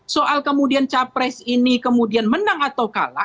soal kemudian capres ini kemudian menang atau kalah